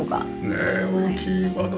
ねえ大きい窓で。